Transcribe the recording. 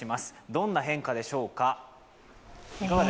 どんな変化でしょうか？